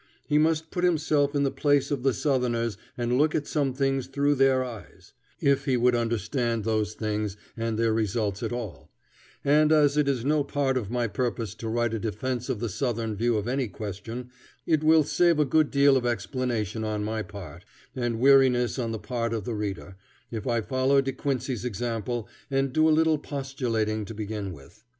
He must put himself in the place of the Southerners and look at some things through their eyes, if he would understand those things and their results at all; and as it is no part of my purpose to write a defense of the Southern view of any question, it will save a good deal of explanation on my part, and weariness on the part of the reader, if I follow De Quincey's example and do a little postulating to begin with.